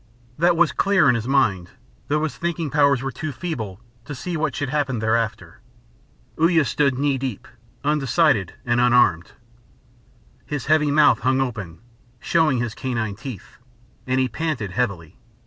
That was clear in his mind, though his thinking powers were too feeble to see what should happen thereafter. Uya stood knee deep, undecided and unarmed. His heavy mouth hung open, showing his canine teeth, and he panted heavily.